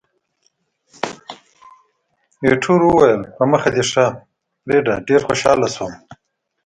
ایټور وویل، په مخه دې ښه فریډه، ډېر خوشاله شوم.